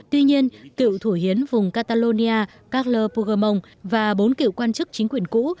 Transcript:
tuy nhiên cựu thủ hiến vùng catalonia cagme fodaken và bốn cựu quan chức chính quyền cũ